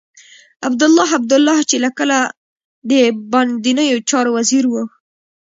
عبدالله عبدالله چې کله د باندنيو چارو وزير و.